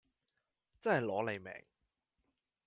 真係攞你命